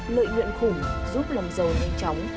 lợi nguyện khủng giúp lầm dầu nhanh chóng